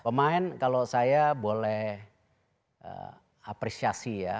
pemain kalau saya boleh apresiasi ya